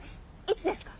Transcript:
いつですか？